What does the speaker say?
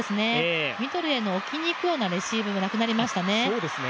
ミドルへ置きに行くようなレシーブがなくなりましたね。